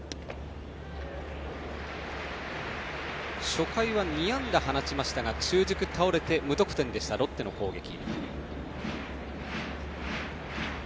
初回は２安打放ちましたが中軸倒れて無得点でしたロッテの攻撃。